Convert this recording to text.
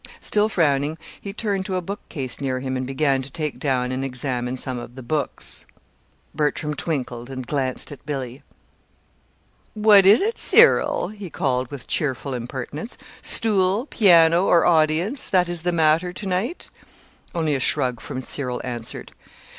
Still frowning, he turned to a bookcase near him and began to take down and examine some of the books. Bertram twinkled and glanced at Billy. "Which is it, Cyril?" he called with cheerful impertinence; "stool, piano, or audience that is the matter to night?" Only a shrug from Cyril answered.